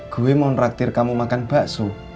gue mau naktir kamu makan bakso